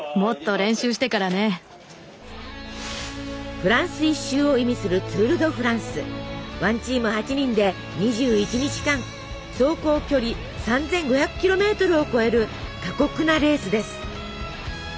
「フランス一周」を意味する１チーム８人で２１日間走行距離３，５００ｋｍを超える過酷なレースです。